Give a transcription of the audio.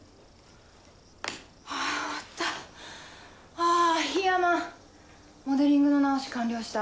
はぁ終わったあ檜山モデリングの直し完了した。